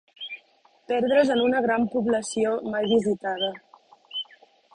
Perdre's en una gran població mai visitada